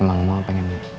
emang mau pengen